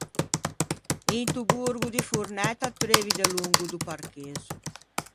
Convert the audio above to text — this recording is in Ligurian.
Into Borgo di Fornæ t'attreuvi delongo do parchezzo.